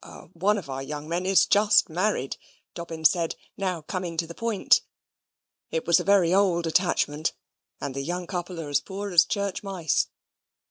"One of our young men is just married," Dobbin said, now coming to the point. "It was a very old attachment, and the young couple are as poor as church mice."